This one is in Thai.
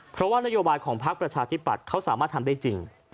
เพราะว่านโยบายของพักประชาธิปัตย์เขาสามารถทำได้จริง